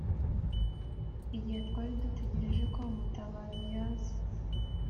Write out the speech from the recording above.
igihe twari dutegereje ko umutabazi yaza;